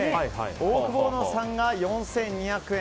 オオクボーノさんが４２００円。